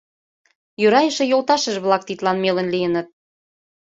Йӧра эше йолташыже-влак тидлан мелын лийыныт.